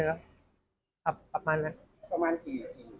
รึเปล่านั้นประมาณหรือที่